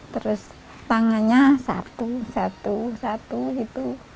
lalu tangannya satu satu satu